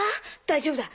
大丈夫だ。